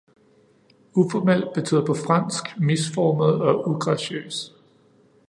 Uformel betyder på fransk misformet og ugraciøs.